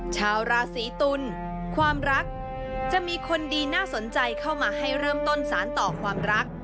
ชาวราศีตุลความรักจะมีคนดีน่าสนใจเข้ามาให้เริ่มต้นสารต่อความรัก